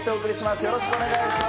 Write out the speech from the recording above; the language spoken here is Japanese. よろしくお願いします。